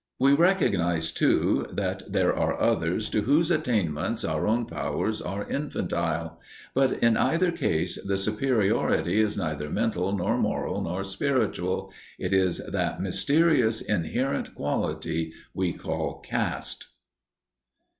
We recognize, too, that there are others to whose attainments our own powers are infantile. But in either case the superiority is neither mental nor moral nor spiritual it is that mysterious inherent quality we call "caste."